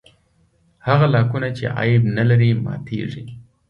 هغه لاکونه چې عیب نه لري ماتېږي.